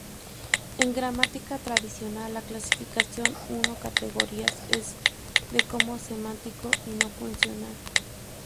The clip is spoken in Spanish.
En gramática tradicional la clasificación uno categorías es de como semántico y no funcional.